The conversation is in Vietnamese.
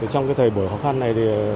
trong thời buổi khó khăn này